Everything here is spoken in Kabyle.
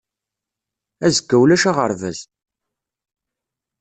Azekka ulac aɣerbaz.